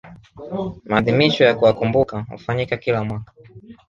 maadhimisho ya kuwakumbuka hufanyika kila mwaka